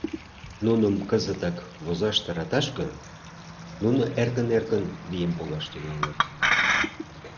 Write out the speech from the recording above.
Нуным кызытак возаш тараташ гын, нуно эркын-эркын вийым погаш тӱҥалыт.